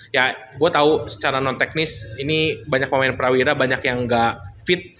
ya gue tahu secara non teknis ini banyak pemain prawira banyak yang gak fit